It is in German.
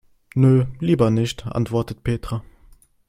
Nö, lieber nicht, antwortet Petra.